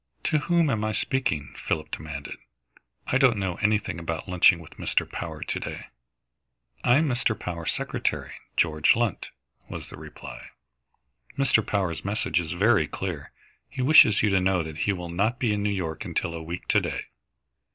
"To whom am I speaking?" Philip demanded. "I don't know anything about lunching with Mr. Power to day." "I am Mr. Power's secretary, George Lunt," was the reply. "Mr. Power's message is very clear. He wishes you to know that he will not be in New York until a week to day."